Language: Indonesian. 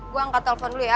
gua angkat telpon dulu ya